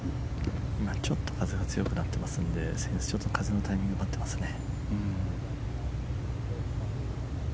ちょっと風が強くなっていますので風のタイミングを待っていますね。